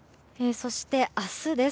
そして、明日です。